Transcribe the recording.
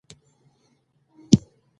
هغه شپږ سوه ميليون يې ډالر وګټل.